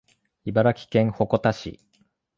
茨城県鉾田市